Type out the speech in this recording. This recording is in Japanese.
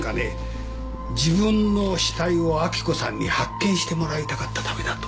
自分の死体を明子さんに発見してもらいたかったためだと。